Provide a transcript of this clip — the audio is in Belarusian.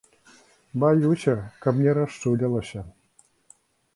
Баюся, каб не расчулілася.